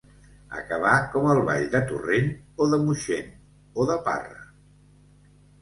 Acabar com el ball de Torrent o de Moixent, o de Parra.